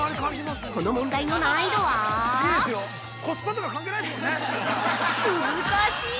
この問題の難易度はむずかしい！